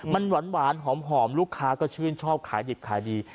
มันหวานหอมลูกค้าก็ชื่นชอบขายดิบขายดี